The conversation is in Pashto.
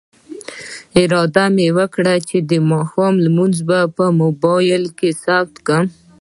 اراده مې وکړه چې د ماښام لمونځ به په موبایل کې ثبتوم.